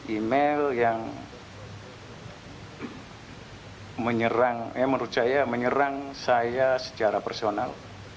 email yang menyerang menurut saya menyerang saya secara personal